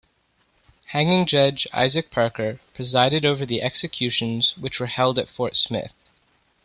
"Hanging judge" Isaac Parker presided over the executions, which were held at Fort Smith.